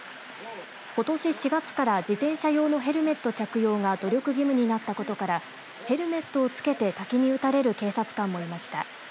ことし４月から自転車用のヘルメット着用が努力義務になったことからヘルメットを着けて滝に打たれる警察官もいました。